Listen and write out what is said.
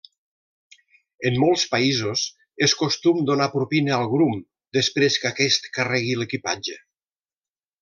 En molts països és costum donar propina al grum després que aquest carregui l'equipatge.